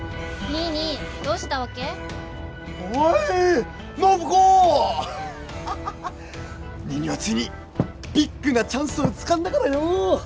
ニーニーはついにビッグなチャンスをつかんだからよ！